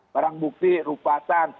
barang bukti rupasan